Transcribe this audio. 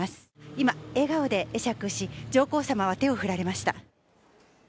今笑顔で会釈し、上皇さまは手を振られました。